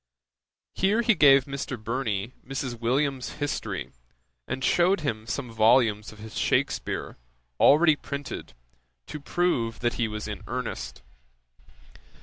Here he gave Mr. Burney Mrs. Williams's history, and shewed him some volumes of his Shakspeare already printed, to prove that he was in earnest.